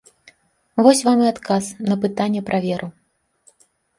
Вось вам і адказ на пытанне пра веру.